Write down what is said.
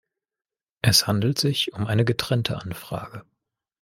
Es handelt sich um eine getrennte Anfrage.